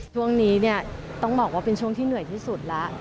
ช่วงนี้เนี่ยต้องบอกว่าเป็นช่วงที่เหนื่อยที่สุดแล้ว